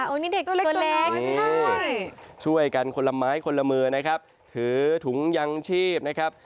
โอ๊ยนี่เด็กตัวแรกนี่ช่วยกันคนละไม้คนละมือนะครับถือถุงยังชีพนะครับ